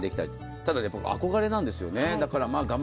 ただ、憧れなんですよね、我慢。